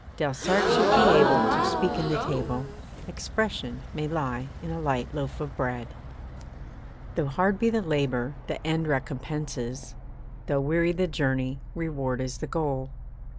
Delsarte should be able to speak in the table 'Expression' may lie in a light loaf of bread. Though hard be the labour, the end recompenses Though weary the journey, reward is the goal.